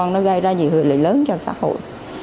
nó gây ra nhiều hợi lực lớn cho xã hội